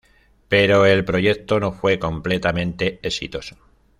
Pero el proyecto no fue completamente exitoso.